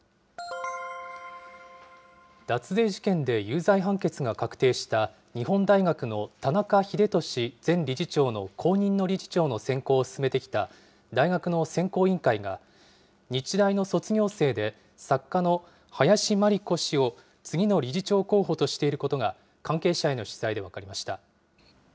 脱税事件で有罪判決が確定した日本大学の田中英壽前理事長の後任の理事長の選考を進めてきた大学の選考委員会が、日大の卒業生で作家の林真理子氏を次の理事長候補としていることが、関係者への取材で分かりました。